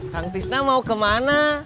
kang tisna mau kemana